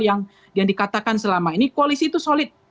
yang dikatakan selama ini koalisi itu solid